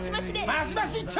マシマシ一丁！